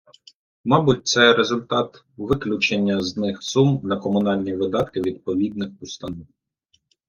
Мабуть, це результат виключення з них сум на комунальні видатки відповідних установ.